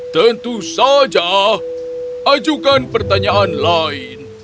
tentu saja ajukan pertanyaan lain